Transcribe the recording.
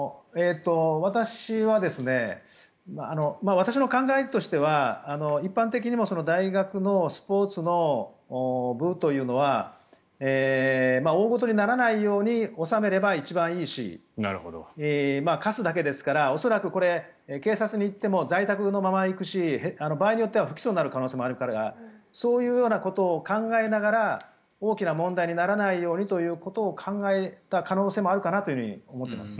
私の考えとしては一般的にも大学のスポーツの部というのは大ごとにならないように収めれば一番いいしかすだけですから恐らく警察に行っても在宅のまま行くし場合によっては不起訴になる可能性もあるからそういうようなことを考えながら大きな問題にならないようにと考えた可能性もあるかなと思っています。